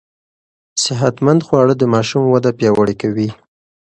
صحتمند خواړه د ماشوم وده پياوړې کوي.